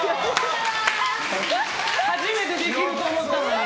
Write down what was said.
初めてできると思ったのに！